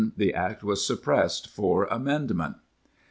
. the Act was suppressed for Amendment."